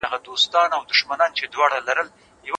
له هغې وروسته اصلاح ګرانه ده.